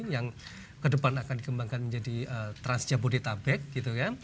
yang ke depan akan dikembangkan menjadi trans jabodetabek gitu ya